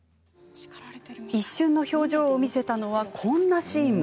一瞬の表情を見せたのはこんなシーンも。